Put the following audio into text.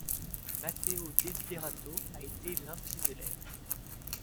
Matteo Desiderato a été l'un de ses élèves.